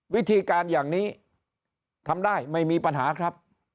วิธีการอย่างนี้ทำได้ไม่มีปัญหาครับ